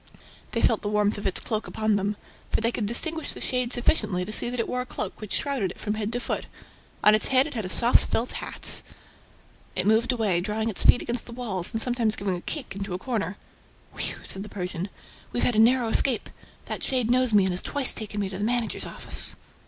They felt the warmth of its cloak upon them. For they could distinguish the shade sufficiently to see that it wore a cloak which shrouded it from head to foot. On its head it had a soft felt hat ... It moved away, drawing its feet against the walls and sometimes giving a kick into a corner. "Whew!" said the Persian. "We've had a narrow escape; that shade knows me and has twice taken me to the managers' office."